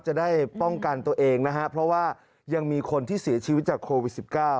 จะได้ป้องกันตัวเองนะฮะเพราะว่ายังมีคนที่เสียชีวิตจากโควิด๑๙